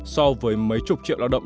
so với mấy chục triệu lao động